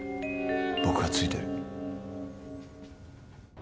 僕がついてる。